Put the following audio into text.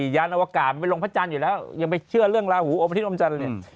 ยานอวกาศมันไปลงพระจันทร์อยู่แล้วยังไปเชื่อเรื่องลาหูอมอาทิตอมจันทร์เนี่ย